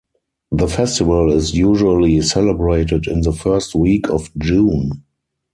The festival is usually celebrated in the first week of June.